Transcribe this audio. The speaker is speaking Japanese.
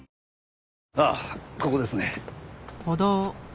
ああここですね。